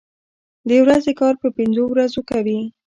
د ورځې کار په پنځو ورځو کوي.